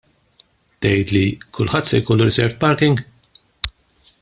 Tgħidli: Kulħadd se jkollu reserved parking?